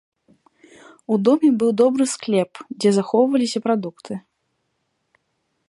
У доме быў добры склеп, дзе захоўваліся прадукты.